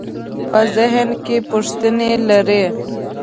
په ذهن کې پوښتنې لرئ؟